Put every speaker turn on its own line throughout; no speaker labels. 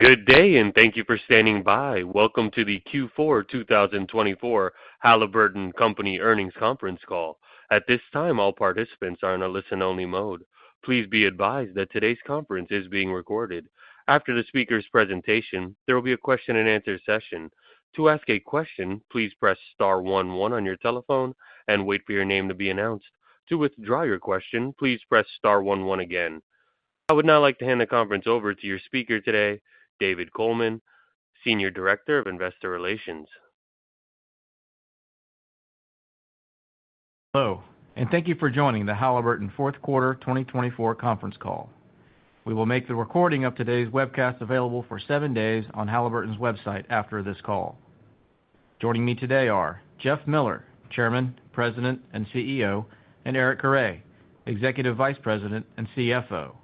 Good day, and thank you for standing by. Welcome to the Q4 2024 Halliburton Company Earnings Conference Call. At this time, all participants are in a listen-only mode. Please be advised that today's conference is being recorded. After the speaker's presentation, there will be a question-and-answer session. To ask a question, please press star one one on your telephone and wait for your name to be announced. To withdraw your question, please press star one one again. I would now like to hand the conference over to your speaker today, David Coleman, Senior Director of Investor Relations.
Hello, and thank you for joining the Halliburton Fourth Quarter 2024 Conference Call. We will make the recording of today's webcast available for seven days on Halliburton's website after this call. Joining me today are Jeff Miller, Chairman, President, and CEO, and Eric Carre, Executive Vice President and CFO.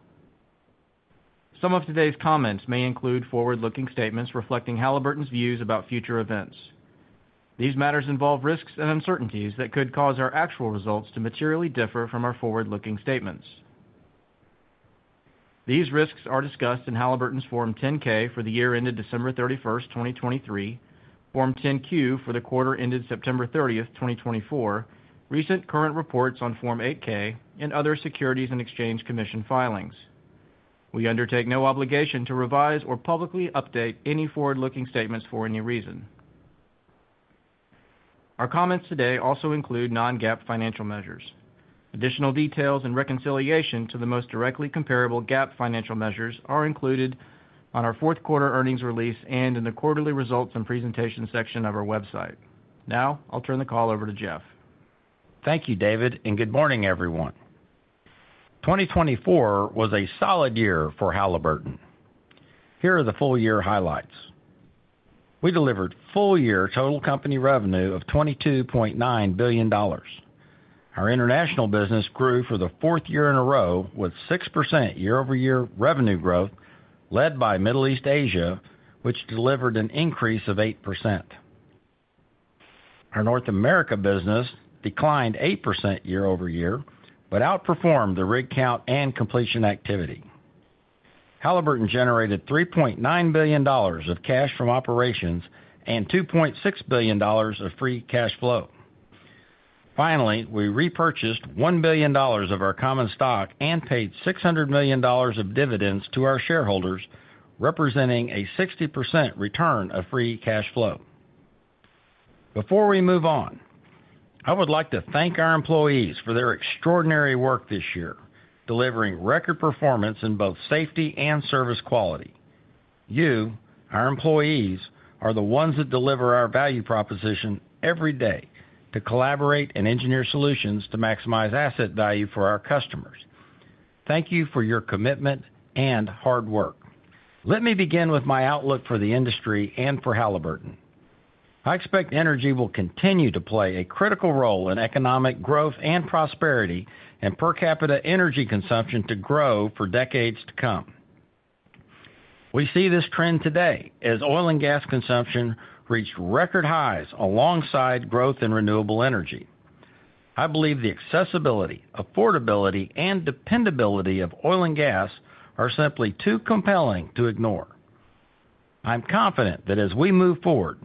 Some of today's comments may include forward-looking statements reflecting Halliburton's views about future events. These matters involve risks and uncertainties that could cause our actual results to materially differ from our forward-looking statements. These risks are discussed in Halliburton's Form 10-K for the year ended December 31st, 2023, Form 10-Q for the quarter ended September 30th, 2024, recent current reports on Form 8-K, and other Securities and Exchange Commission filings. We undertake no obligation to revise or publicly update any forward-looking statements for any reason. Our comments today also include non-GAAP financial measures. Additional details and reconciliation to the most directly comparable GAAP financial measures are included on our fourth quarter earnings release and in the quarterly results and presentation section of our website. Now, I'll turn the call over to Jeff.
Thank you, David, and good morning, everyone. 2024 was a solid year for Halliburton. Here are the full-year highlights. We delivered full-year total company revenue of $22.9 billion. Our international business grew for the fourth year in a row with 6% year-over-year revenue growth, led by Middle East/Asia, which delivered an increase of 8%. Our North America business declined 8% year-over-year but outperformed the rig count and completion activity. Halliburton generated $3.9 billion of cash from operations and $2.6 billion of free cash flow. Finally, we repurchased $1 billion of our common stock and paid $600 million of dividends to our shareholders, representing a 60% return of free cash flow. Before we move on, I would like to thank our employees for their extraordinary work this year, delivering record performance in both safety and service quality. You, our employees, are the ones that deliver our value proposition every day to collaborate and engineer solutions to maximize asset value for our customers. Thank you for your commitment and hard work. Let me begin with my outlook for the industry and for Halliburton. I expect energy will continue to play a critical role in economic growth and prosperity, and per capita energy consumption to grow for decades to come. We see this trend today as oil and gas consumption reached record highs alongside growth in renewable energy. I believe the accessibility, affordability, and dependability of oil and gas are simply too compelling to ignore. I'm confident that as we move forward,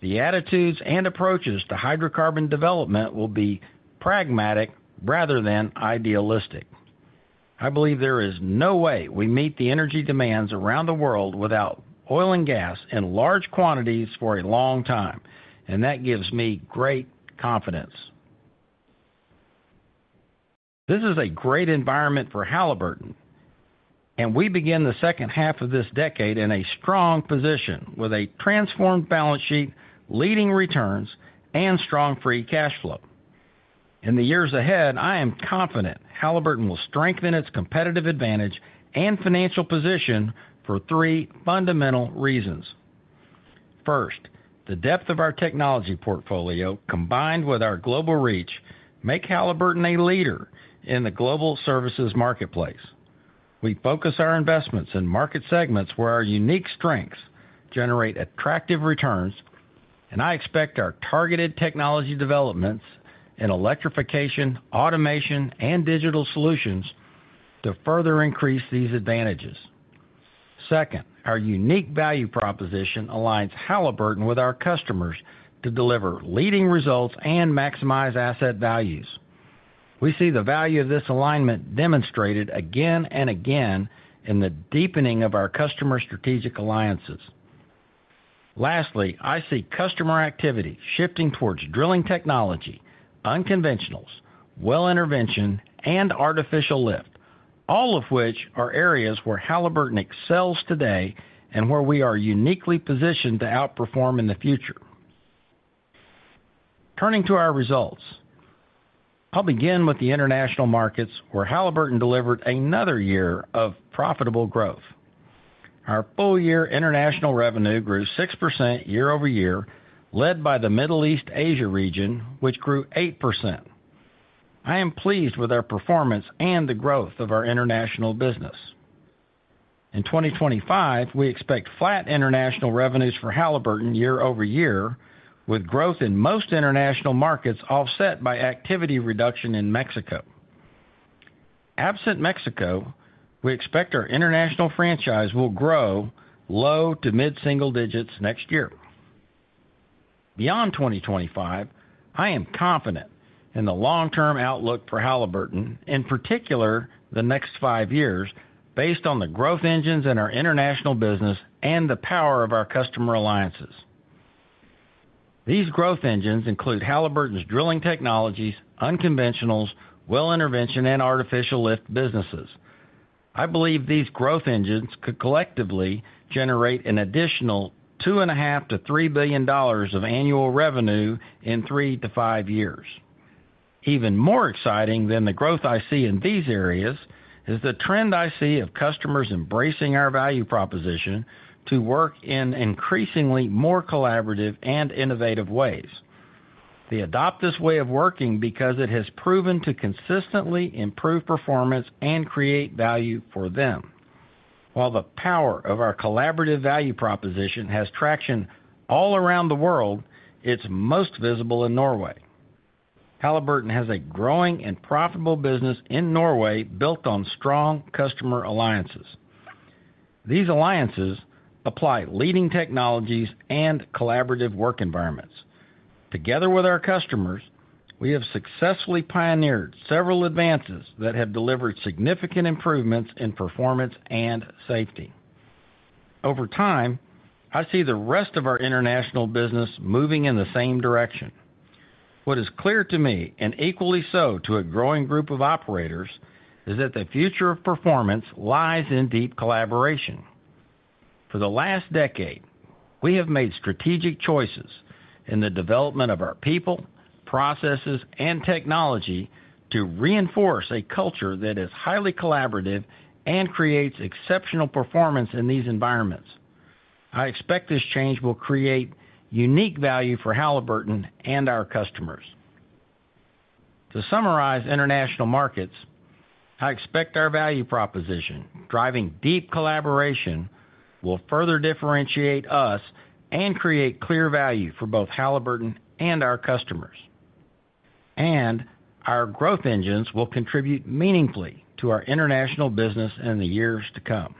the attitudes and approaches to hydrocarbon development will be pragmatic rather than idealistic. I believe there is no way we meet the energy demands around the world without oil and gas in large quantities for a long time, and that gives me great confidence. This is a great environment for Halliburton, and we begin the second half of this decade in a strong position with a transformed balance sheet, leading returns, and strong free cash flow. In the years ahead, I am confident Halliburton will strengthen its competitive advantage and financial position for three fundamental reasons. First, the depth of our technology portfolio combined with our global reach makes Halliburton a leader in the global services marketplace. We focus our investments in market segments where our unique strengths generate attractive returns, and I expect our targeted technology developments in electrification, automation, and digital solutions to further increase these advantages. Second, our unique value proposition aligns Halliburton with our customers to deliver leading results and maximize asset values. We see the value of this alignment demonstrated again and again in the deepening of our customer strategic alliances. Lastly, I see customer activity shifting towards drilling technology, unconventionals, well intervention, and artificial lift, all of which are areas where Halliburton excels today and where we are uniquely positioned to outperform in the future. Turning to our results, I'll begin with the international markets where Halliburton delivered another year of profitable growth. Our full-year international revenue grew 6% year-over-year, led by the Middle East/Asia region, which grew 8%. I am pleased with our performance and the growth of our international business. In 2025, we expect flat international revenues for Halliburton year-over-year, with growth in most international markets offset by activity reduction in Mexico. Absent Mexico, we expect our international franchise will grow low to mid-single digits next year. Beyond 2025, I am confident in the long-term outlook for Halliburton, in particular the next five years, based on the growth engines in our international business and the power of our customer alliances. These growth engines include Halliburton's drilling technologies, unconventionals, well intervention, and artificial lift businesses. I believe these growth engines could collectively generate an additional $2.5 billion-$3 billion of annual revenue in three to five years. Even more exciting than the growth I see in these areas is the trend I see of customers embracing our value proposition to work in increasingly more collaborative and innovative ways. They adopt this way of working because it has proven to consistently improve performance and create value for them. While the power of our collaborative value proposition has traction all around the world, it's most visible in Norway. Halliburton has a growing and profitable business in Norway built on strong customer alliances. These alliances apply leading technologies and collaborative work environments. Together with our customers, we have successfully pioneered several advances that have delivered significant improvements in performance and safety. Over time, I see the rest of our international business moving in the same direction. What is clear to me, and equally so to a growing group of operators, is that the future of performance lies in deep collaboration. For the last decade, we have made strategic choices in the development of our people, processes, and technology to reinforce a culture that is highly collaborative and creates exceptional performance in these environments. I expect this change will create unique value for Halliburton and our customers. To summarize international markets, I expect our value proposition driving deep collaboration will further differentiate us and create clear value for both Halliburton and our customers, and our growth engines will contribute meaningfully to our international business in the years to come.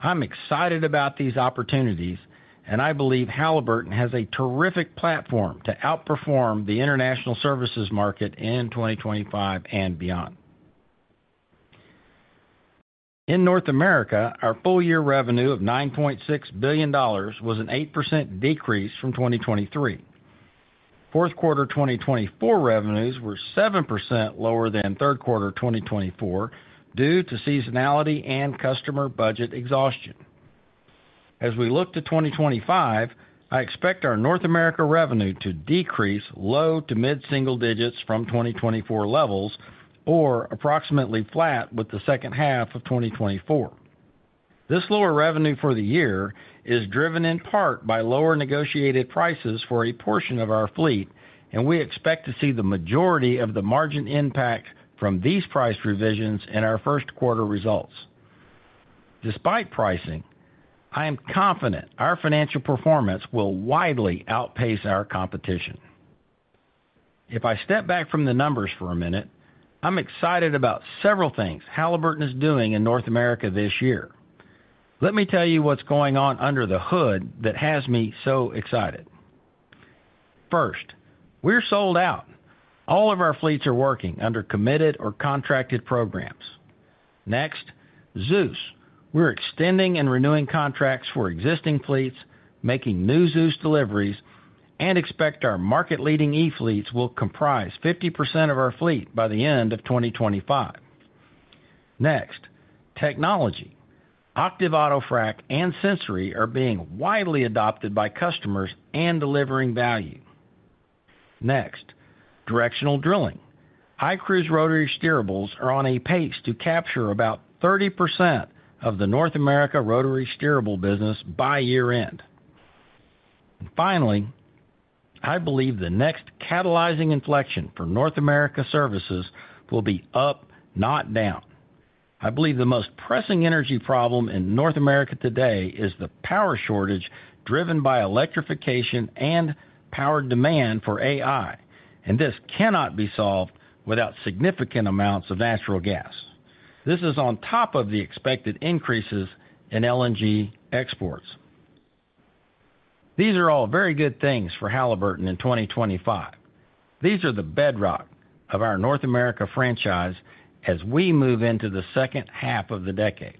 I'm excited about these opportunities, and I believe Halliburton has a terrific platform to outperform the international services market in 2025 and beyond. In North America, our full-year revenue of $9.6 billion was an 8% decrease from 2023. Fourth quarter 2024 revenues were 7% lower than third quarter 2024 due to seasonality and customer budget exhaustion. As we look to 2025, I expect our North America revenue to decrease low to mid-single digits from 2024 levels or approximately flat with the second half of 2024. This lower revenue for the year is driven in part by lower negotiated prices for a portion of our fleet, and we expect to see the majority of the margin impact from these price revisions in our first quarter results. Despite pricing, I am confident our financial performance will widely outpace our competition. If I step back from the numbers for a minute, I'm excited about several things Halliburton is doing in North America this year. Let me tell you what's going on under the hood that has me so excited. First, we're sold out. All of our fleets are working under committed or contracted programs. Next, ZEUS. We're extending and renewing contracts for existing fleets, making new ZEUS deliveries, and expect our market-leading e-fleets will comprise 50% of our fleet by the end of 2025. Next, technology. OCTIV Auto Frac and Sensori are being widely adopted by customers and delivering value. Next, directional drilling. iCruise rotary steerables are on a pace to capture about 30% of the North America rotary steerable business by year-end. Finally, I believe the next catalyzing inflection for North America services will be up, not down. I believe the most pressing energy problem in North America today is the power shortage driven by electrification and power demand for AI, and this cannot be solved without significant amounts of natural gas. This is on top of the expected increases in LNG exports. These are all very good things for Halliburton in 2025. These are the bedrock of our North America franchise as we move into the second half of the decade.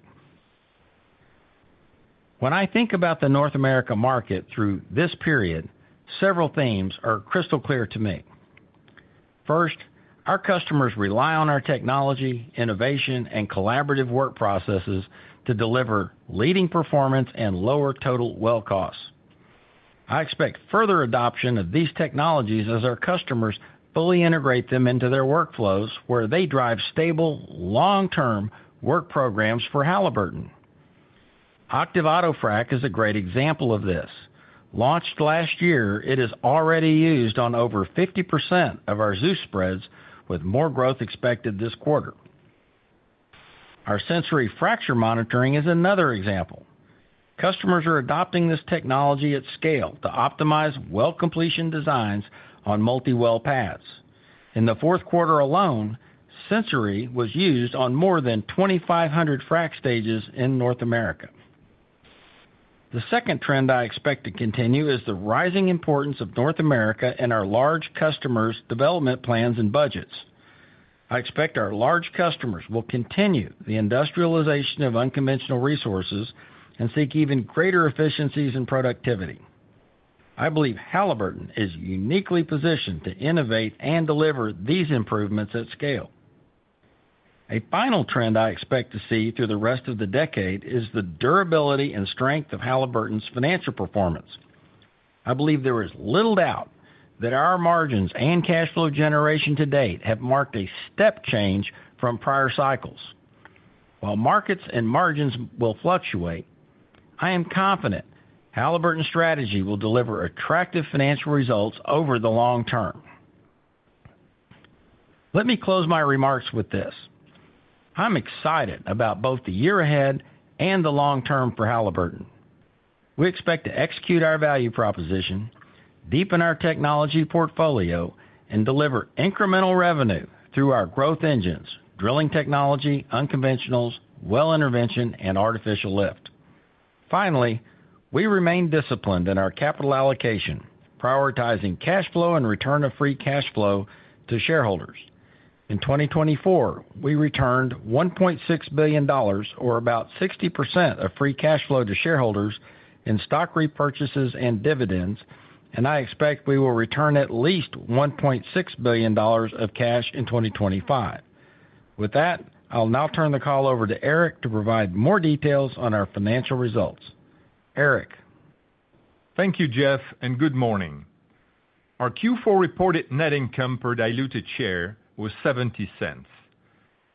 When I think about the North America market through this period, several themes are crystal clear to me. First, our customers rely on our technology, innovation, and collaborative work processes to deliver leading performance and lower total well costs. I expect further adoption of these technologies as our customers fully integrate them into their workflows where they drive stable, long-term work programs for Halliburton. OCTIV Auto Frac is a great example of this. Launched last year, it is already used on over 50% of our ZEUS spreads, with more growth expected this quarter. Our Sensori fracture monitoring is another example. Customers are adopting this technology at scale to optimize well completion designs on multi-well pads. In the fourth quarter alone, Sensori was used on more than 2,500 frac stages in North America. The second trend I expect to continue is the rising importance of North America and our large customers' development plans and budgets. I expect our large customers will continue the industrialization of unconventional resources and seek even greater efficiencies and productivity. I believe Halliburton is uniquely positioned to innovate and deliver these improvements at scale. A final trend I expect to see through the rest of the decade is the durability and strength of Halliburton's financial performance. I believe there is little doubt that our margins and cash flow generation to date have marked a step change from prior cycles. While markets and margins will fluctuate, I am confident Halliburton's strategy will deliver attractive financial results over the long term. Let me close my remarks with this. I'm excited about both the year ahead and the long term for Halliburton. We expect to execute our value proposition, deepen our technology portfolio, and deliver incremental revenue through our growth engines, drilling technology, unconventionals, well intervention, and artificial lift. Finally, we remain disciplined in our capital allocation, prioritizing cash flow and return of free cash flow to shareholders. In 2024, we returned $1.6 billion, or about 60% of free cash flow to shareholders in stock repurchases and dividends, and I expect we will return at least $1.6 billion of cash in 2025. With that, I'll now turn the call over to Eric to provide more details on our financial results. Eric.
Thank you, Jeff, and good morning. Our Q4 reported net income per diluted share was $0.70.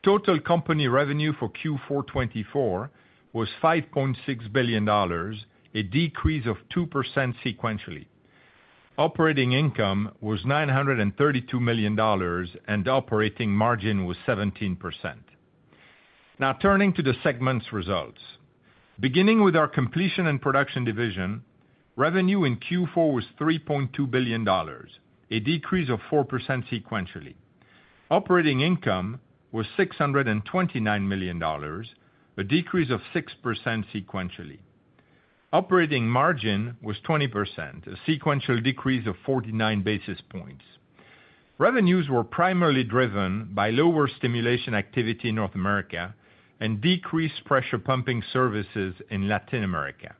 Total company revenue for Q4 2024 was $5.6 billion, a decrease of 2% sequentially. Operating income was $932 million, and operating margin was 17%. Now turning to the segments' results. Beginning with our Completion and Production division, revenue in Q4 was $3.2 billion, a decrease of 4% sequentially. Operating income was $629 million, a decrease of 6% sequentially. Operating margin was 20%, a sequential decrease of 49 basis points. Revenues were primarily driven by lower stimulation activity in North America and decreased pressure pumping services in Latin America.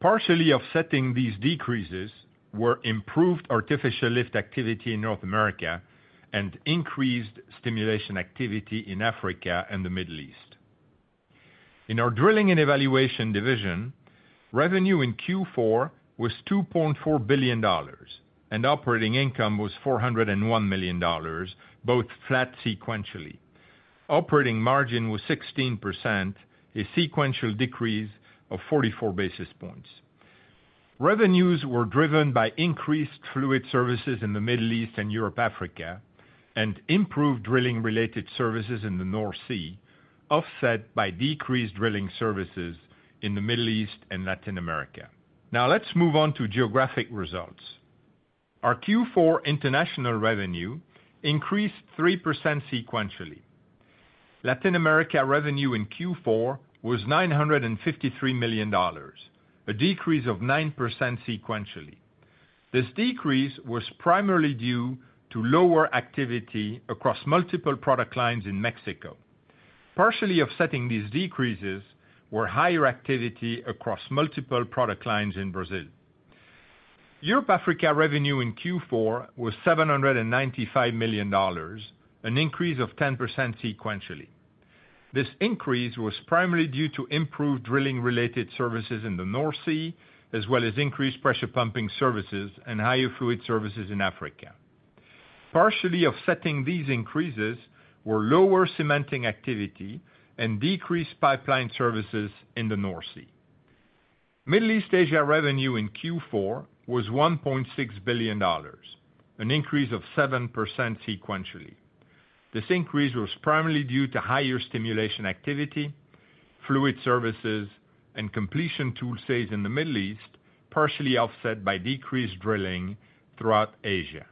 Partially offsetting these decreases were improved artificial lift activity in North America and increased stimulation activity in Africa and the Middle East. In our Drilling and Evaluation division, revenue in Q4 was $2.4 billion, and operating income was $401 million, both flat sequentially. Operating margin was 16%, a sequential decrease of 44 basis points. Revenues were driven by increased fluid services in the Middle East and Europe, Africa, and improved drilling-related services in the North Sea, offset by decreased drilling services in the Middle East and Latin America. Now let's move on to geographic results. Our Q4 international revenue increased 3% sequentially. Latin America revenue in Q4 was $953 million, a decrease of 9% sequentially. This decrease was primarily due to lower activity across multiple product lines in Mexico. Partially offsetting these decreases were higher activity across multiple product lines in Brazil. Europe/Africa revenue in Q4 was $795 million, an increase of 10% sequentially. This increase was primarily due to improved drilling-related services in the North Sea, as well as increased pressure pumping services and higher fluid services in Africa. Partially offsetting these increases were lower cementing activity and decreased pipeline services in the North Sea. Middle East/Asia revenue in Q4 was $1.6 billion, an increase of 7% sequentially. This increase was primarily due to higher stimulation activity, fluid services, and completion tool sales in the Middle East, partially offset by decreased drilling throughout Asia.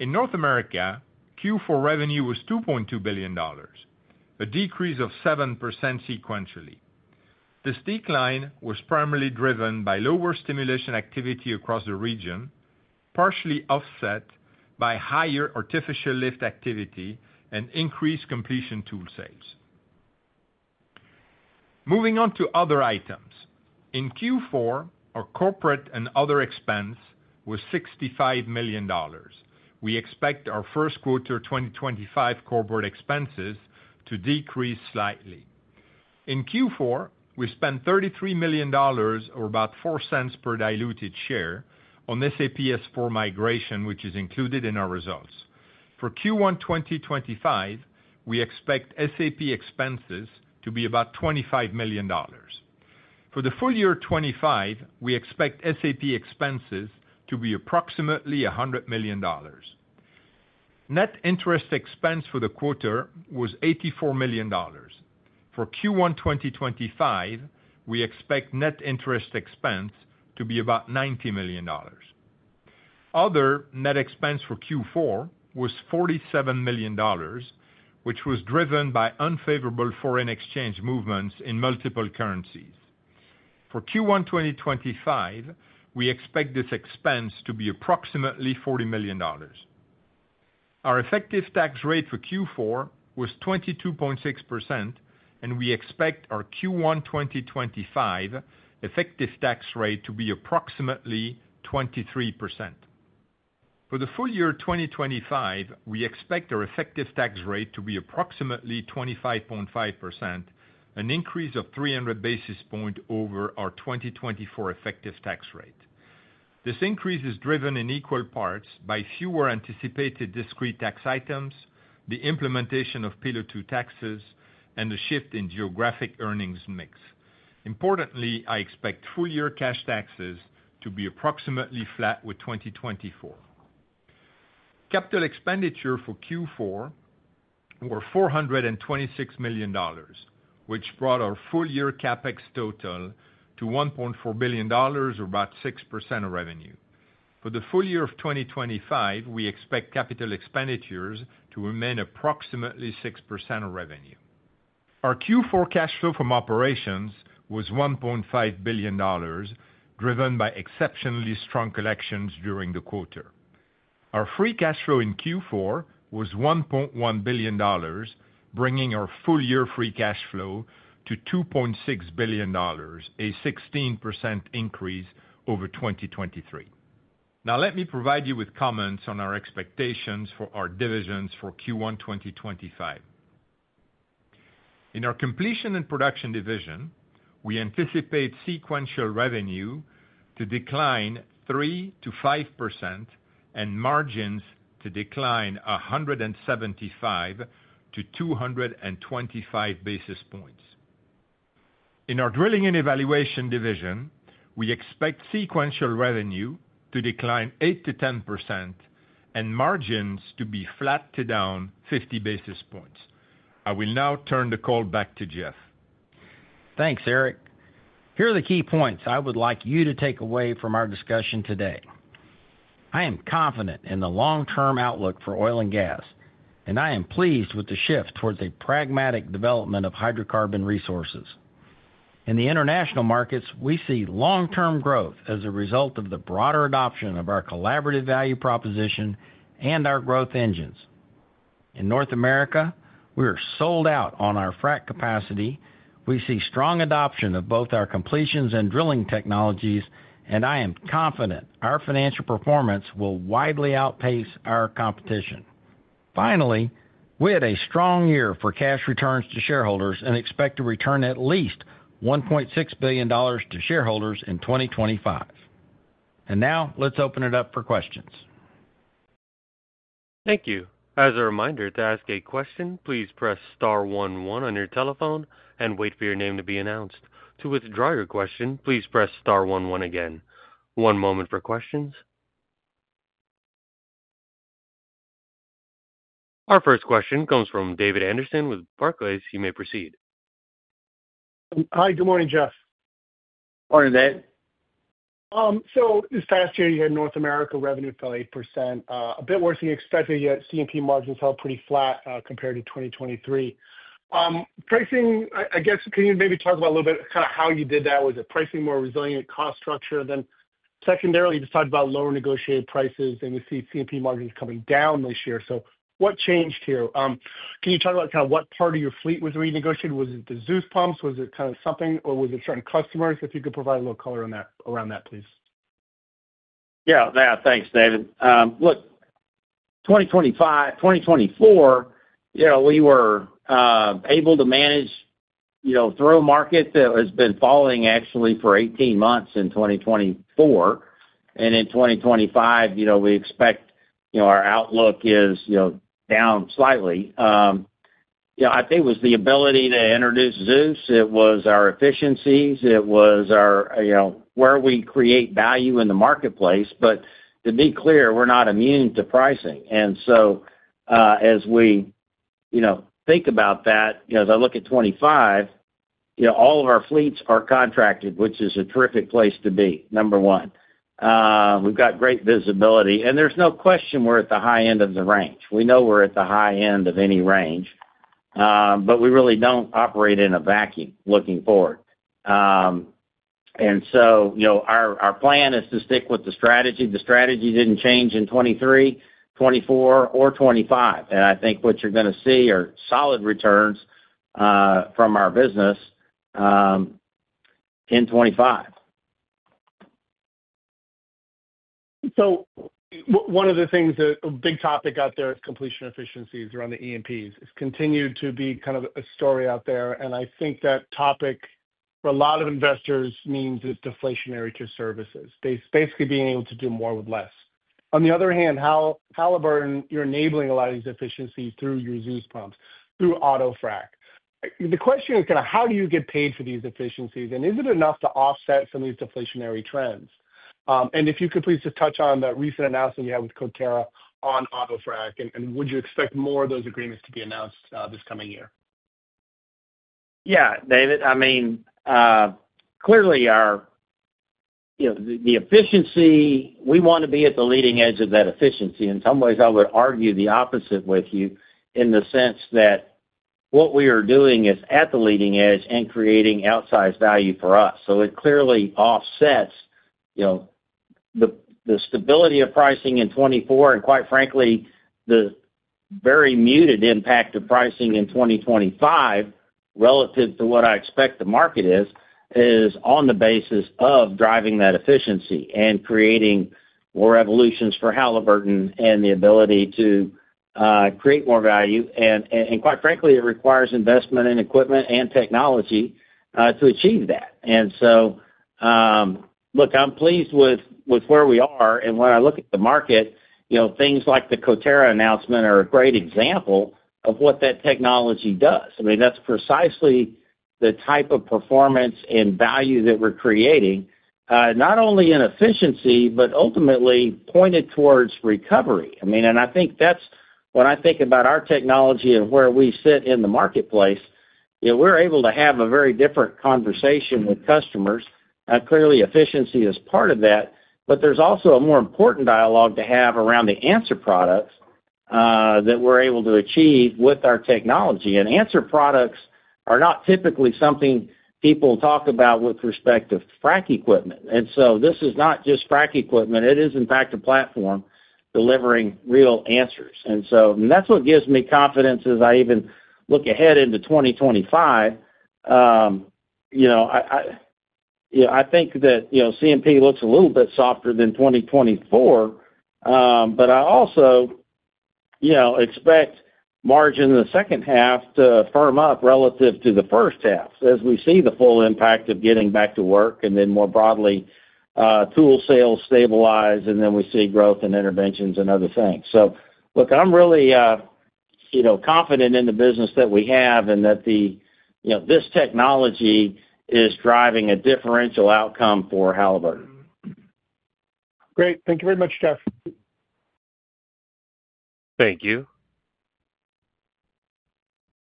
In North America, Q4 revenue was $2.2 billion, a decrease of 7% sequentially. This decline was primarily driven by lower stimulation activity across the region, partially offset by higher artificial lift activity and increased completion tool sales. Moving on to other items. In Q4, our corporate and other expense was $65 million. We expect our first quarter 2025 corporate expenses to decrease slightly. In Q4, we spent $33 million, or about $0.04 per diluted share, on SAP S/4 migration, which is included in our results. For Q1 2025, we expect SAP expenses to be about $25 million. For the full year 2025, we expect SAP expenses to be approximately $100 million. Net interest expense for the quarter was $84 million. For Q1 2025, we expect net interest expense to be about $90 million. Other net expense for Q4 was $47 million, which was driven by unfavorable foreign exchange movements in multiple currencies. For Q1 2025, we expect this expense to be approximately $40 million. Our effective tax rate for Q4 was 22.6%, and we expect our Q1 2025 effective tax rate to be approximately 23%. For the full year 2025, we expect our effective tax rate to be approximately 25.5%, an increase of 300 basis points over our 2024 effective tax rate. This increase is driven in equal parts by fewer anticipated discrete tax items, the implementation of Pillar Two taxes, and the shift in geographic earnings mix. Importantly, I expect full year cash taxes to be approximately flat with 2024. Capital expenditure for Q4 was $426 million, which brought our full year CapEx total to $1.4 billion, or about 6% of revenue. For the full year of 2025, we expect capital expenditures to remain approximately 6% of revenue. Our Q4 cash flow from operations was $1.5 billion, driven by exceptionally strong collections during the quarter. Our free cash flow in Q4 was $1.1 billion, bringing our full year free cash flow to $2.6 billion, a 16% increase over 2023. Now let me provide you with comments on our expectations for our divisions for Q1 2025. In our Completion and Production division, we anticipate sequential revenue to decline 3%-5% and margins to decline 175-225 basis points. In our Drilling and Evaluation division, we expect sequential revenue to decline 8%-10% and margins to be flat to down 50 basis points. I will now turn the call back to Jeff.
Thanks, Eric. Here are the key points I would like you to take away from our discussion today. I am confident in the long-term outlook for oil and gas, and I am pleased with the shift towards a pragmatic development of hydrocarbon resources. In the international markets, we see long-term growth as a result of the broader adoption of our collaborative value proposition and our growth engines. In North America, we are sold out on our frac capacity. We see strong adoption of both our completions and drilling technologies, and I am confident our financial performance will widely outpace our competition. Finally, we had a strong year for cash returns to shareholders and expect to return at least $1.6 billion to shareholders in 2025. And now let's open it up for questions.
Thank you. As a reminder, to ask a question, please press star one one on your telephone and wait for your name to be announced. To withdraw your question, please press star one one again. One moment for questions. Our first question comes from David Anderson with Barclays. You may proceed.
Hi, good morning, Jeff.
Morning, Dave.
So this past year, you had North America revenue fell 8%, a bit worse than expected. You had C&P margins held pretty flat compared to 2023. Pricing, I guess, can you maybe talk about a little bit kind of how you did that? Was it pricing more resilient, cost structure? And then secondarily, you just talked about lower negotiated prices, and we see C&P margins coming down this year. So what changed here? Can you talk about kind of what part of your fleet was renegotiated? Was it the ZEUS pumps? Was it kind of something? Or was it certain customers? If you could provide a little color around that, please.
Yeah, thanks, David. Look, 2024, we were able to manage through a market that has been falling actually for 18 months in 2024. And in 2025, we expect our outlook is down slightly. I think it was the ability to introduce ZEUS. It was our efficiencies. It was where we create value in the marketplace. But to be clear, we're not immune to pricing. And so as we think about that, as I look at 2025, all of our fleets are contracted, which is a terrific place to be, number one. We've got great visibility. And there's no question we're at the high end of the range. We know we're at the high end of any range, but we really don't operate in a vacuum looking forward. And so our plan is to stick with the strategy. The strategy didn't change in 2023, 2024, or 2025. I think what you're going to see are solid returns from our business in 2025.
So one of the things, a big topic out there is completion efficiencies around the E&Ps. It's continued to be kind of a story out there. And I think that topic for a lot of investors means it's deflationary to services, basically being able to do more with less. On the other hand, Halliburton, you're enabling a lot of these efficiencies through your ZEUS pumps, through auto frac. The question is kind of how do you get paid for these efficiencies? And is it enough to offset some of these deflationary trends? And if you could please just touch on that recent announcement you had with Coterra on auto frac, and would you expect more of those agreements to be announced this coming year?
Yeah, David. I mean, clearly, the efficiency. We want to be at the leading edge of that efficiency. In some ways, I would argue the opposite with you in the sense that what we are doing is at the leading edge and creating outsized value for us. So it clearly offsets the stability of pricing in 2024. And quite frankly, the very muted impact of pricing in 2025 relative to what I expect the market is, is on the basis of driving that efficiency and creating more evolutions for Halliburton and the ability to create more value. And quite frankly, it requires investment in equipment and technology to achieve that. And so, look, I'm pleased with where we are. And when I look at the market, things like the Coterra announcement are a great example of what that technology does. I mean, that's precisely the type of performance and value that we're creating, not only in efficiency, but ultimately pointed towards recovery. I mean, and I think that's when I think about our technology and where we sit in the marketplace, we're able to have a very different conversation with customers. And clearly, efficiency is part of that. But there's also a more important dialogue to have around the answer products that we're able to achieve with our technology. And answer products are not typically something people talk about with respect to frac equipment. And so this is not just frac equipment. It is, in fact, a platform delivering real answers. And so that's what gives me confidence as I even look ahead into 2025. I think that C&P looks a little bit softer than 2024, but I also expect margins in the second half to firm up relative to the first half as we see the full impact of getting back to work, and then more broadly, tool sales stabilize, and then we see growth and interventions and other things, so look, I'm really confident in the business that we have and that this technology is driving a differential outcome for Halliburton.
Great. Thank you very much, Jeff.
Thank you.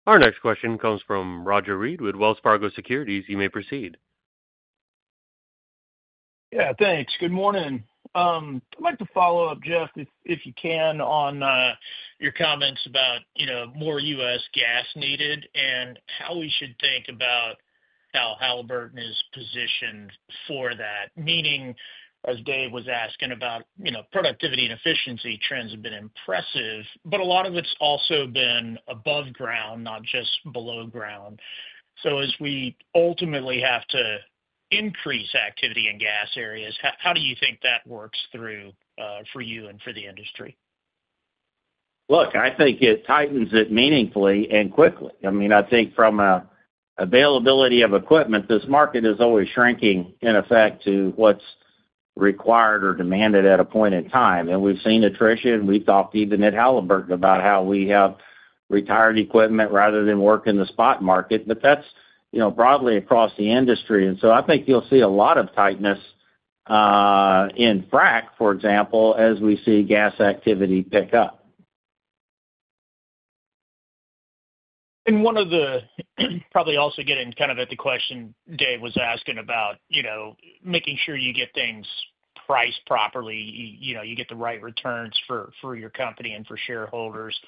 Our next question comes from Roger Read with Wells Fargo Securities. You may proceed.
Yeah, thanks. Good morning. I'd like to follow up, Jeff, if you can, on your comments about more U.S. gas needed and how we should think about how Halliburton is positioned for that. Meaning, as Dave was asking about productivity and efficiency, trends have been impressive, but a lot of it's also been above ground, not just below ground. So as we ultimately have to increase activity in gas areas, how do you think that works through for you and for the industry?
Look, I think it tightens it meaningfully and quickly. I mean, I think from availability of equipment, this market is always shrinking in effect to what's required or demanded at a point in time, and we've seen attrition. We've talked even at Halliburton about how we have retired equipment rather than work in the spot market. But that's broadly across the industry, and so I think you'll see a lot of tightness in frac, for example, as we see gas activity pick up.
And one of the probably also getting kind of at the question Dave was asking about making sure you get things priced properly, you get the right returns for your company and for shareholders.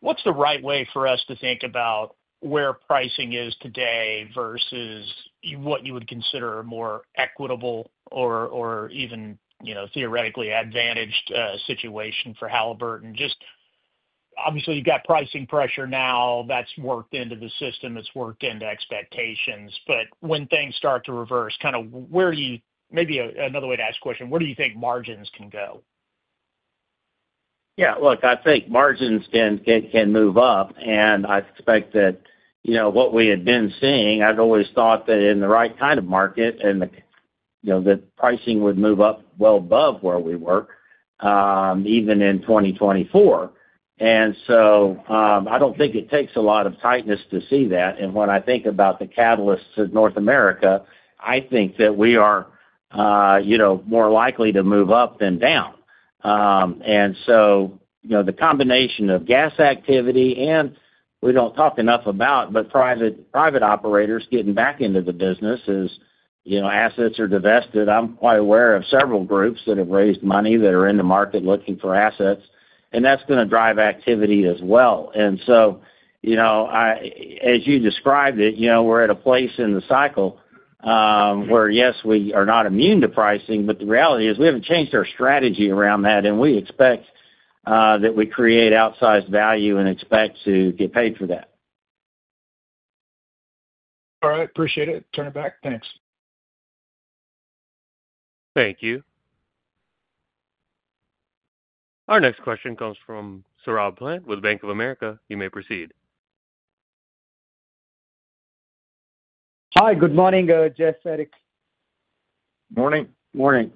What's the right way for us to think about where pricing is today versus what you would consider a more equitable or even theoretically advantaged situation for Halliburton? Just obviously, you've got pricing pressure now. That's worked into the system. It's worked into expectations. But when things start to reverse, kind of maybe another way to ask the question, where do you think margins can go?
Yeah, look, I think margins can move up. And I expect that what we had been seeing, I've always thought that in the right kind of market, the pricing would move up well above where we were, even in 2024. And so I don't think it takes a lot of tightness to see that. And when I think about the catalysts in North America, I think that we are more likely to move up than down. And so the combination of gas activity and we don't talk enough about, but private operators getting back into the business as assets are divested. I'm quite aware of several groups that have raised money that are in the market looking for assets. And that's going to drive activity as well. And so as you described it, we're at a place in the cycle where, yes, we are not immune to pricing, but the reality is we haven't changed our strategy around that. And we expect that we create outsized value and expect to get paid for that.
All right. Appreciate it. Turn it back. Thanks.
Thank you. Our next question comes from Saurabh Pant with Bank of America. You may proceed.
Hi, good morning, Jeff.
Good morning.
Morning.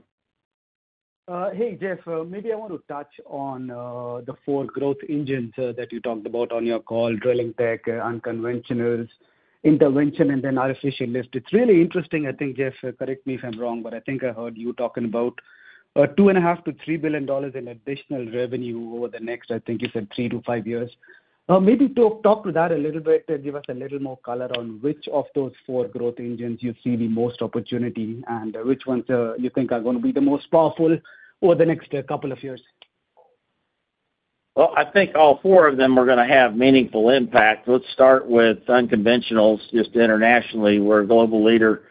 Hey, Jeff, maybe I want to touch on the four growth engines that you talked about on your call, drilling tech, unconventionals, intervention, and then artificial lift. It's really interesting. I think, Jeff, correct me if I'm wrong, but I think I heard you talking about $2.5 billion-$3 billion in additional revenue over the next, I think you said, three to five years. Maybe talk to that a little bit and give us a little more color on which of those four growth engines you see the most opportunity and which ones you think are going to be the most powerful over the next couple of years.
Well, I think all four of them are going to have meaningful impact. Let's start with unconventionals. Just internationally, we're a global leader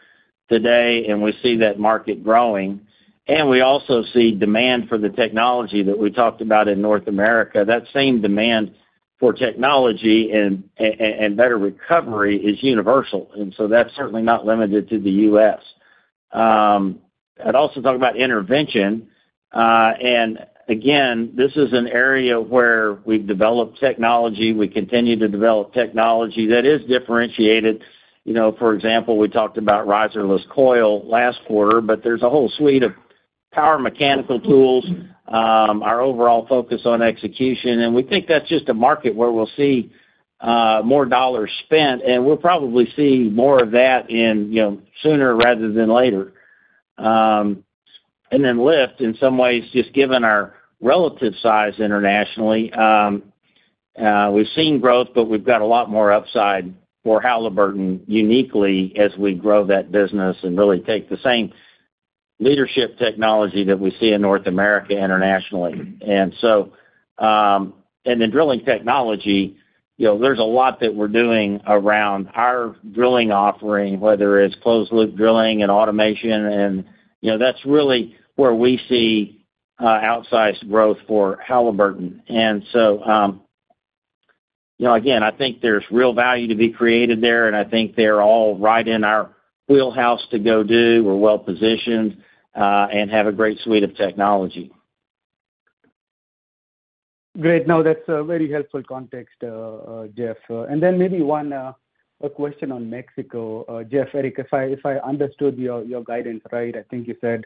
today, and we see that market growing. We also see demand for the technology that we talked about in North America. That same demand for technology and better recovery is universal. So that's certainly not limited to the U.S. I'd also talk about intervention. Again, this is an area where we've developed technology. We continue to develop technology that is differentiated. For example, we talked about riserless coil last quarter, but there's a whole suite of power mechanical tools, our overall focus on execution. We think that's just a market where we'll see more dollars spent. We'll probably see more of that sooner rather than later. Then lift, in some ways, just given our relative size internationally. We've seen growth, but we've got a lot more upside for Halliburton uniquely as we grow that business and really take the same leadership technology that we see in North America internationally. And so in the drilling technology, there's a lot that we're doing around our drilling offering, whether it's closed-loop drilling and automation. That's really where we see outsized growth for Halliburton. So again, I think there's real value to be created there. And I think they're all right in our wheelhouse to go do. We're well-positioned and have a great suite of technology.
Great. No, that's a very helpful context, Jeff. Then maybe one question on Mexico. Jeff, Eric, if I understood your guidance right, I think you said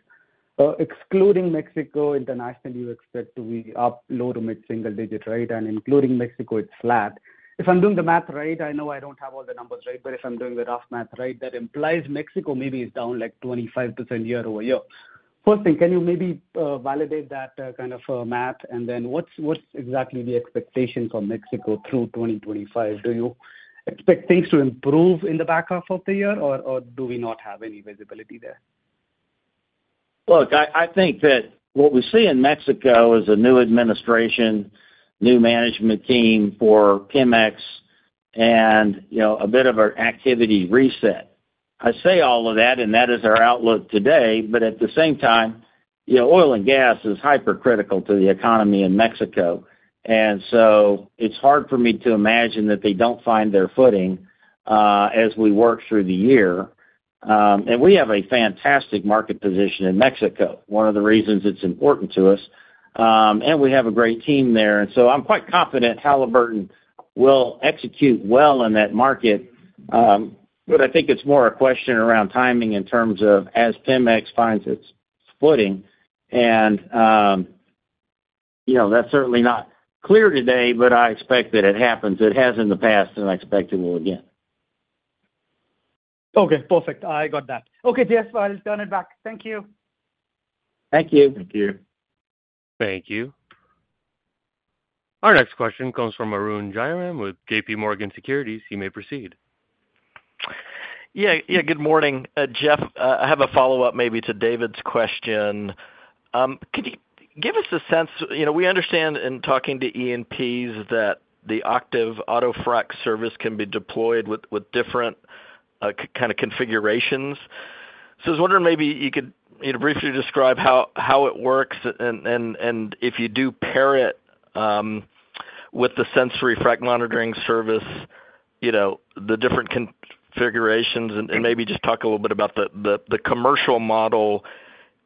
excluding Mexico internationally, you expect to be up low- to mid-single-digit, right? And including Mexico, it's flat. If I'm doing the math right, I know I don't have all the numbers right, but if I'm doing the rough math right, that implies Mexico maybe is down like 25% year-over-year. First thing, can you maybe validate that kind of math? And then what's exactly the expectation for Mexico through 2025? Do you expect things to improve in the back half of the year, or do we not have any visibility there?
Look, I think that what we see in Mexico is a new administration, new management team for PEMEX, and a bit of an activity reset. I say all of that, and that is our outlook today. But at the same time, oil and gas is critical to the economy in Mexico. And so it's hard for me to imagine that they don't find their footing as we work through the year. We have a fantastic market position in Mexico, one of the reasons it's important to us. We have a great team there. So I'm quite confident Halliburton will execute well in that market. But I think it's more a question around timing in terms of as PEMEX finds its footing. That's certainly not clear today, but I expect that it happens. It has in the past, and I expect it will again.
Okay. Perfect. I got that. Okay, Jeff, I'll turn it back. Thank you.
Thank you.
Thank you. Thank you. Our next question comes from Arun Jayaram with JPMorgan Securities. You may proceed.
Yeah. Yeah. Good morning, Jeff. I have a follow-up maybe to David's question. Could you give us a sense? We understand in talking to E&Ps that the OCTIV Auto Frac service can be deployed with different kind of configurations. So I was wondering maybe you could briefly describe how it works and if you do pair it with the Sensori frac monitoring service, the different configurations, and maybe just talk a little bit about the commercial model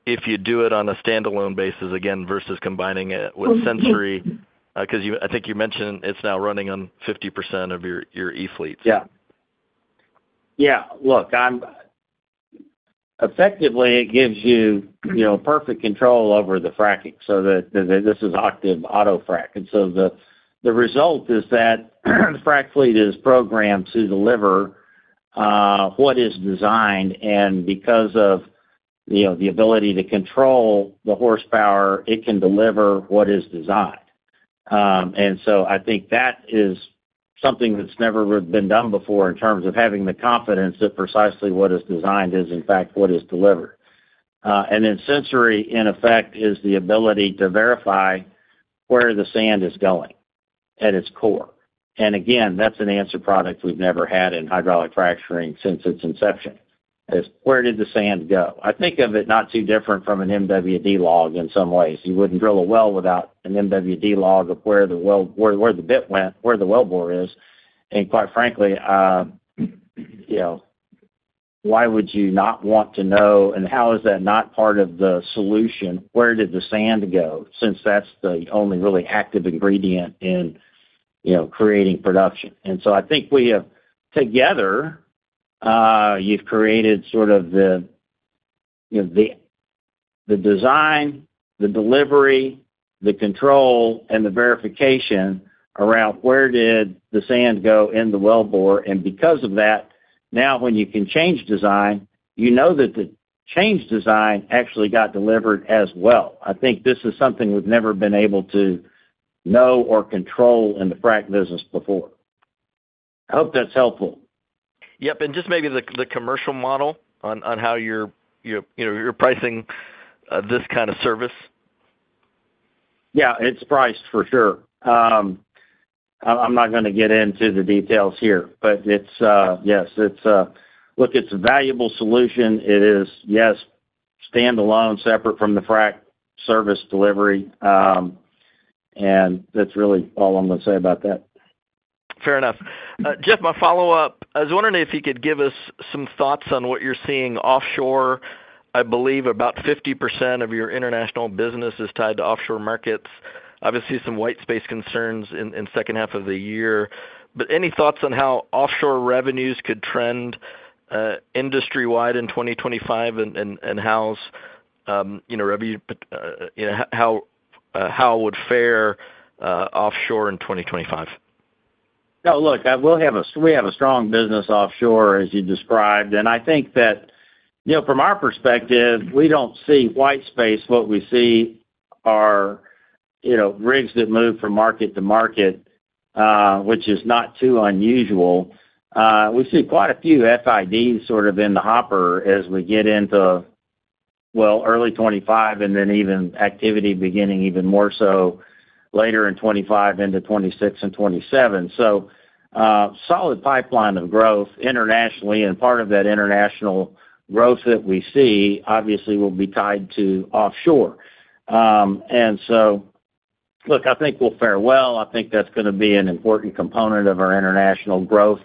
if you do it on a standalone basis again versus combining it with Sensori because I think you mentioned it's now running on 50% of your e-fleets. Yeah.
Yeah. Look, effectively, it gives you perfect control over the fracking. So this is OCTIV Auto Frac. And so the result is that the frac fleet is programmed to deliver what is designed. And because of the ability to control the horsepower, it can deliver what is designed. And so I think that is something that's never been done before in terms of having the confidence that precisely what is designed is, in fact, what is delivered. And then Sensori, in effect, is the ability to verify where the sand is going at its core. And again, that's an answer product we've never had in hydraulic fracturing since its inception. It's where did the sand go? I think of it not too different from an MWD log in some ways. You wouldn't drill a well without an MWD log of where the bit went, where the well bore is. And quite frankly, why would you not want to know? And how is that not part of the solution? Where did the sand go since that's the only really active ingredient in creating production? And so I think we have together, you've created sort of the design, the delivery, the control, and the verification around where did the sand go in the well bore. And because of that, now when you can change design, you know that the changed design actually got delivered as well. I think this is something we've never been able to know or control in the frac business before. I hope that's helpful.
Yep. And just maybe the commercial model on how you're pricing this kind of service?
Yeah. It's priced for sure. I'm not going to get into the details here, but yes, look, it's a valuable solution. It is, yes, standalone, separate from the frac service delivery. And that's really all I'm going to say about that.
Fair enough. Jeff, my follow-up. I was wondering if you could give us some thoughts on what you're seeing offshore. I believe about 50% of your international business is tied to offshore markets. Obviously, some white space concerns in the second half of the year. But any thoughts on how offshore revenues could trend industry-wide in 2025 and how would fare offshore in 2025?
No, look, we have a strong business offshore, as you described. And I think that from our perspective, we don't see white space. What we see are rigs that move from market to market, which is not too unusual. We see quite a few FIDs sort of in the hopper as we get into, well, early 2025 and then even activity beginning even more so later in 2025 into 2026 and 2027. So solid pipeline of growth internationally. And part of that international growth that we see obviously will be tied to offshore. And so, look, I think we'll fare well. I think that's going to be an important component of our international growth,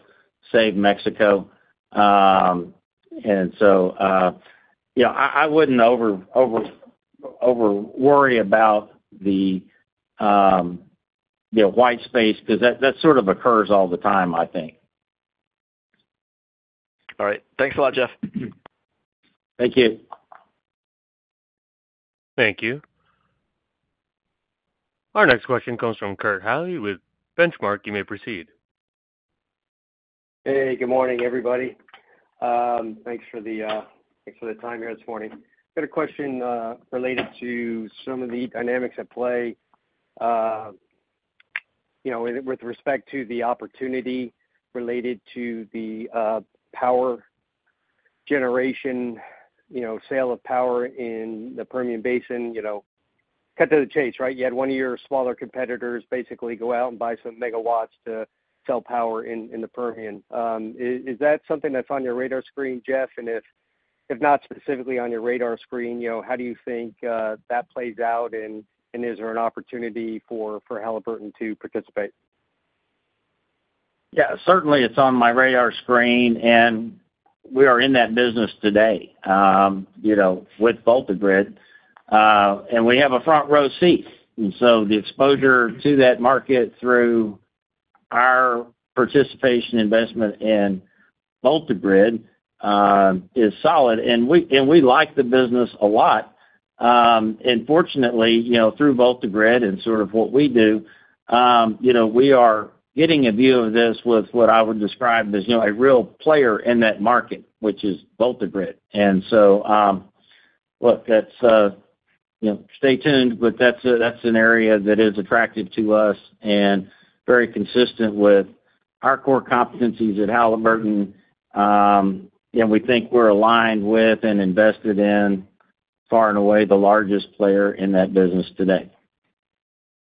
save Mexico. And so I wouldn't over-worry about the white space because that sort of occurs all the time, I think.
All right. Thanks a lot, Jeff.
Thank you.
Thank you. Our next question comes from Kurt Hallead with The Benchmark Company. You may proceed.
Hey, good morning, everybody. Thanks for the time here this morning. I've got a question related to some of the dynamics at play with respect to the opportunity related to the power generation, sale of power in the Permian Basin. Cut to the chase, right? You had one of your smaller competitors basically go out and buy some megawatts to sell power in the Permian. Is that something that's on your radar screen, Jeff? And if not specifically on your radar screen, how do you think that plays out? And is there an opportunity for Halliburton to participate?
Yeah. Certainly, it's on my radar screen. And we are in that business today with VoltaGrid. And we have a front-row seat. And so the exposure to that market through our participation investment in VoltaGrid is solid. And we like the business a lot. And fortunately, through VoltaGrid and sort of what we do, we are getting a view of this with what I would describe as a real player in that market, which is VoltaGrid. And so, look, stay tuned, but that's an area that is attractive to us and very consistent with our core competencies at Halliburton. And we think we're aligned with and invested in, far and away, the largest player in that business today.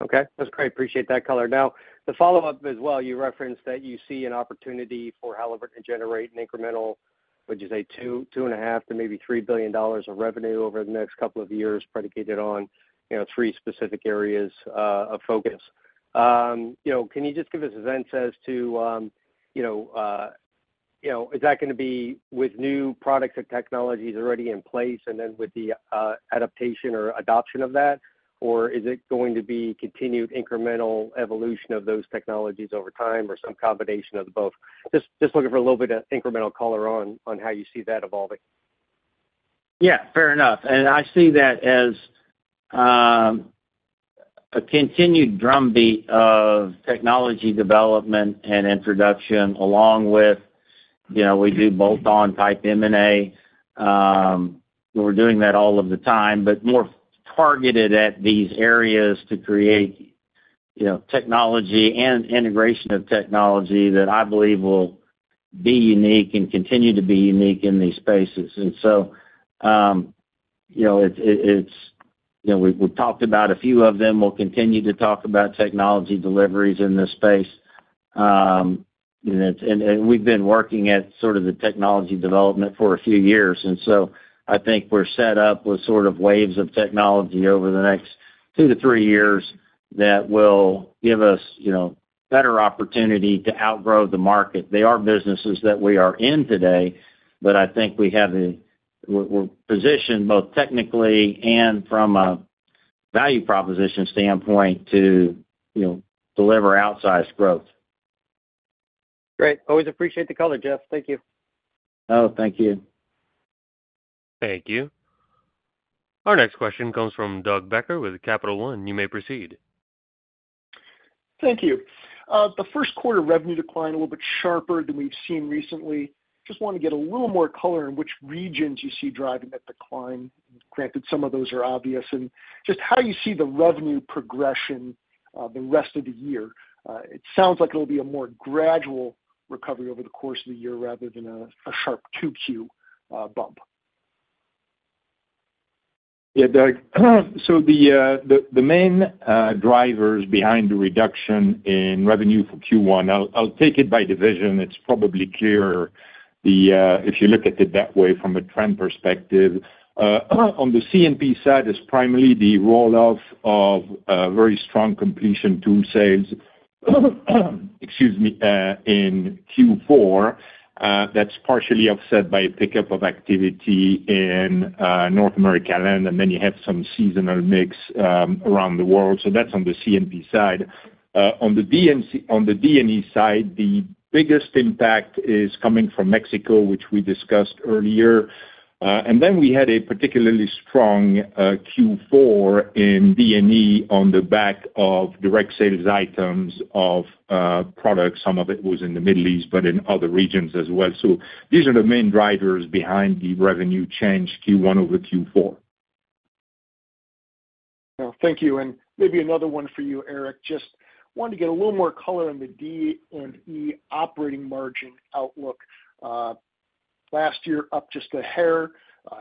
Okay. That's great. Appreciate that color. Now, the follow-up as well, you referenced that you see an opportunity for Halliburton to generate an incremental, would you say, $2.5 billion to maybe $3 billion of revenue over the next couple of years predicated on three specific areas of focus. Can you just give us a sense as to is that going to be with new products and technologies already in place and then with the adaptation or adoption of that? Or is it going to be continued incremental evolution of those technologies over time or some combination of both? Just looking for a little bit of incremental color on how you see that evolving.
Yeah. Fair enough. And I see that as a continued drumbeat of technology development and introduction, along with we do bolt-on type M&A. We're doing that all of the time, but more targeted at these areas to create technology and integration of technology that I believe will be unique and continue to be unique in these spaces, and so we've talked about a few of them. We'll continue to talk about technology deliveries in this space. And we've been working at sort of the technology development for a few years, and so I think we're set up with sort of waves of technology over the next two to three years that will give us better opportunity to outgrow the market. They are businesses that we are in today, but I think we have a position both technically and from a value proposition standpoint to deliver outsized growth.
Great. Always appreciate the color, Jeff. Thank you.
Oh, thank you.
Thank you. Our next question comes from Doug Becker with Capital One. You may proceed.
Thank you. The first quarter revenue decline a little bit sharper than we've seen recently. Just want to get a little more color on which regions you see driving that decline. Granted, some of those are obvious. And just how you see the revenue progression the rest of the year. It sounds like it'll be a more gradual recovery over the course of the year rather than a sharp Q2 bump.
Yeah, Doug. So the main drivers behind the reduction in revenue for Q1, I'll take it by division. It's probably clear if you look at it that way from a trend perspective. On the C&P side, it's primarily the roll-off of very strong completion tools sales, excuse me, in Q4. That's partially offset by a pickup of activity in North America land. And then you have some seasonal mix around the world. So that's on the C&P side. On the D&E side, the biggest impact is coming from Mexico, which we discussed earlier, and then we had a particularly strong Q4 in D&E on the back of direct sales items of products. Some of it was in the Middle East, but in other regions as well, so these are the main drivers behind the revenue change Q1 over Q4.
Thank you, and maybe another one for you, Eric. Just wanted to get a little more color in the D&E operating margin outlook. Last year, up just a hair,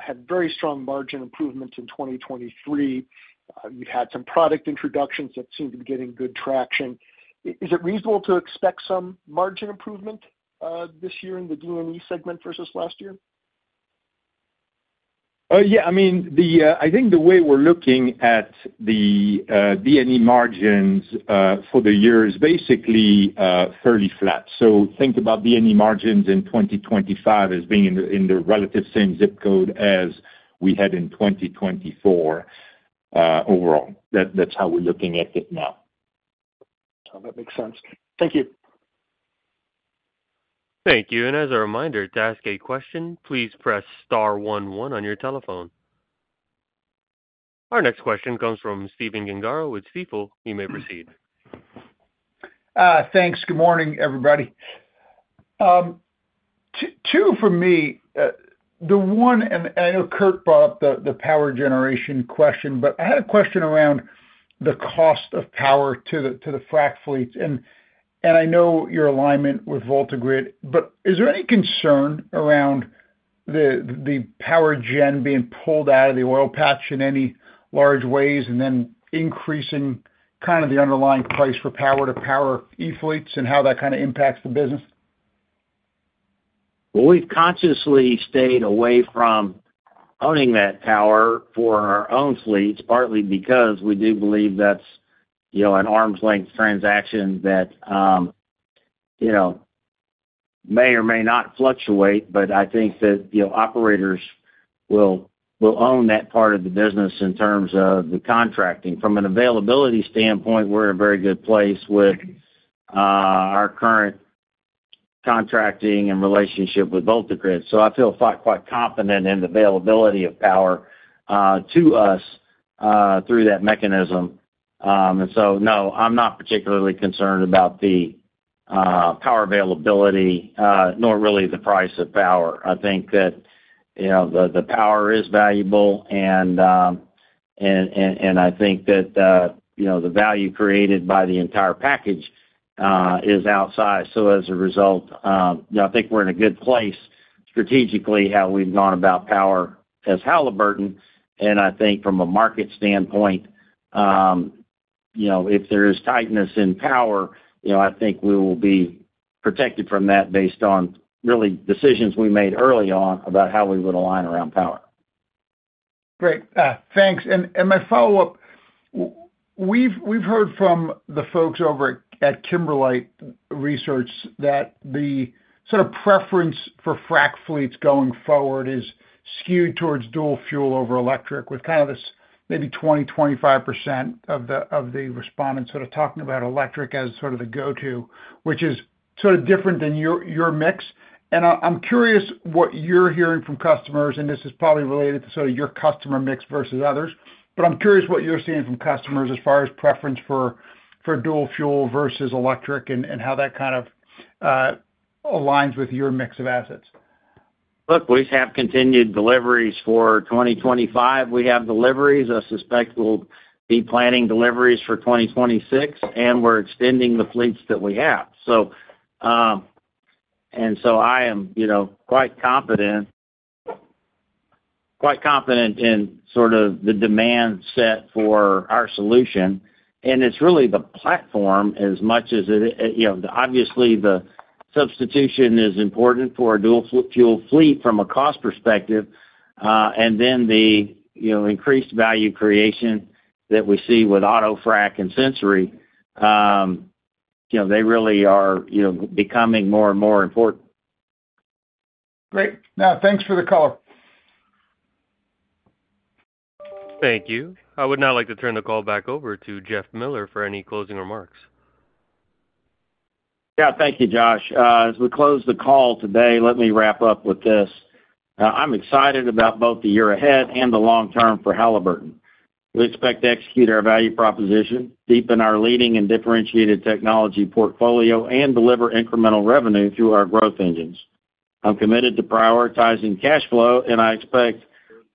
had very strong margin improvements in 2023. You've had some product introductions that seem to be getting good traction. Is it reasonable to expect some margin improvement this year in the D&E segment versus last year?
Yeah. I mean, I think the way we're looking at the D&E margins for the year is basically fairly flat. So think about D&E margins in 2025 as being in the relative same zip code as we had in 2024 overall. That's how we're looking at it now.
That makes sense. Thank you.
Thank you. And as a reminder, to ask a question, please press star one one on your telephone. Our next question comes from Stephen Gengaro with Stifel. You may proceed.
Thanks. Good morning, everybody. Two for me. The one, and I know Kurt brought up the power generation question, but I had a question around the cost of power to the frac fleets. And I know your alignment with VoltaGrid, but is there any concern around the power gen being pulled out of the oil patch in any large ways and then increasing kind of the underlying price for power to power e-fleets and how that kind of impacts the business?
We've consciously stayed away from owning that power for our own fleets, partly because we do believe that's an arm's length transaction that may or may not fluctuate. But I think that operators will own that part of the business in terms of the contracting. From an availability standpoint, we're in a very good place with our current contracting and relationship with VoltaGrid. So I feel quite confident in the availability of power to us through that mechanism. And so, no, I'm not particularly concerned about the power availability, nor really the price of power. I think that the power is valuable. And I think that the value created by the entire package is outsized. So as a result, I think we're in a good place strategically how we've gone about power as Halliburton. And I think from a market standpoint, if there is tightness in power, I think we will be protected from that based on really decisions we made early on about how we would align around power.
Great. Thanks. And my follow-up, we've heard from the folks over at Kimberlite Research that the sort of preference for frac fleets going forward is skewed towards dual fuel over electric, with kind of this maybe 20%-25% of the respondents sort of talking about electric as sort of the go-to. Which is sort of different than your mix. And I'm curious what you're hearing from customers. And this is probably related to sort of your customer mix versus others. But I'm curious what you're seeing from customers as far as preference for dual fuel versus electric and how that kind of aligns with your mix of assets.
Look, we have continued deliveries for 2025. We have deliveries. I suspect we'll be planning deliveries for 2026. And we're extending the fleets that we have. And so I am quite confident in sort of the demand set for our solution. And it's really the platform as much as it obviously, the substitution is important for a dual fuel fleet from a cost perspective. And then the increased value creation that we see with Auto Frac and Sensori, they really are becoming more and more important.
Great. Now, thanks for the color.
Thank you. I would now like to turn the call back over to Jeff Miller for any closing remarks.
Yeah. Thank you, Josh. As we close the call today, let me wrap up with this. I'm excited about both the year ahead and the long term for Halliburton. We expect to execute our value proposition, deepen our leading and differentiated technology portfolio, and deliver incremental revenue through our growth engines. I'm committed to prioritizing cash flow, and I expect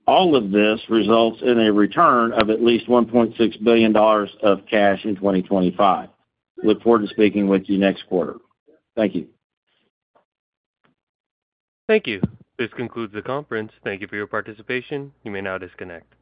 all of this results in a return of at least $1.6 billion of cash in 2025. Look forward to speaking with you next quarter. Thank you.
Thank you. This concludes the conference. Thank you for your participation. You may now disconnect.